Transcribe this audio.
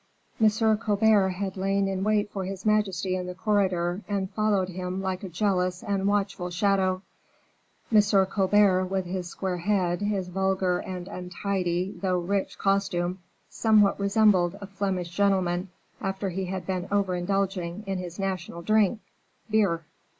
M. Colbert had lain in wait for his majesty in the corridor, and followed him like a jealous and watchful shadow; M. Colbert, with his square head, his vulgar and untidy, though rich costume, somewhat resembled a Flemish gentleman after he had been over indulging in his national drink beer.